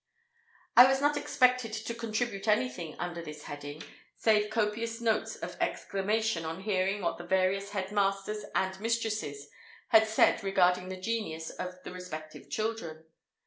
I was not expected to contribute anything under this heading, save copious notes of exclamation on hearing what the various head masters and mistresses had said regarding the genius of the respective children.